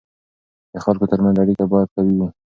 د خلکو ترمنځ اړیکه باید قوي وي.